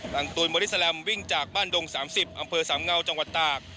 งตูนบอดี้แลมวิ่งจากบ้านดง๓๐อำเภอสามเงาจังหวัดตาก